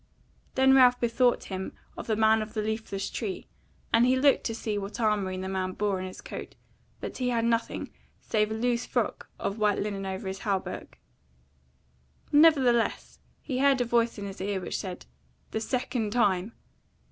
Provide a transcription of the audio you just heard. Then Ralph bethought him of the man of the leafless tree, and he looked to see what armoury the man bore on his coat; but he had nothing save a loose frock of white linen over his hauberk. Nevertheless, he heard a voice in his ear, which said, "The second time!"